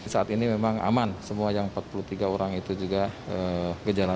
saat ini memang aman semua yang empat puluh tiga orang itu juga gejala